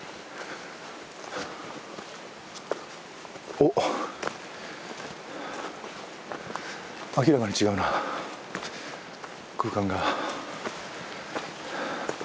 おっ明らかに違うな空間が。